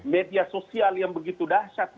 media sosial yang begitu dahsyat